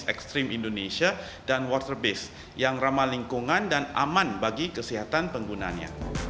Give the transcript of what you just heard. ekstrim indonesia dan water based yang ramah lingkungan dan aman bagi kesehatan penggunanya